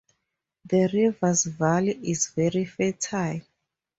The river's valley is very fertile.